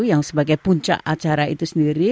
yang sebagai puncak acara itu sendiri